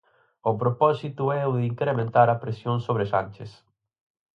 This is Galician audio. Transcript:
O propósito é o de incrementar a presión sobre Sánchez.